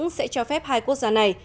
bên vững sẽ cho phép hai quốc gia này